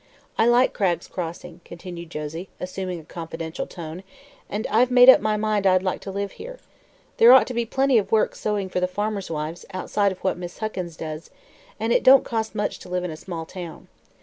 "I like Cragg's Crossing," continued Josie, assuming a confidential tone, "and I've made up my mind I'd like to live here. There ought to be plenty of work sewing for the farmers' wives, outside of what Miss Huckins does, and it don't cost much to live in a small town.